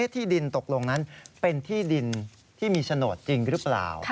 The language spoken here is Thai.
ที่ดินตกลงนั้นเป็นที่ดินที่มีโฉนดจริงหรือเปล่า